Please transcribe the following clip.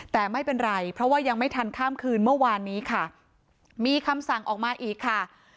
แต่ไม่เป็นไรเพราะว่ายังไม่ทันข้ามคืนเมื่อวานนี้ค่ะมีคำสั่งออกมาอีกค่ะ